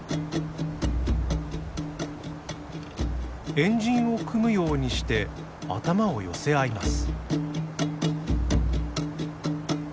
円陣を組むようにして頭を寄せ合います。